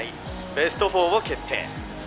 ベスト４を決定！